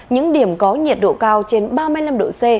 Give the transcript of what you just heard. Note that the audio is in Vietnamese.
những điểm có nhiệt độ cao trên ba mươi năm độ c